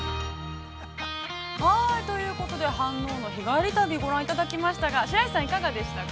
◆ということで、飯能の日帰り旅をご覧いただきましたが、白石さん、いかがでしたか。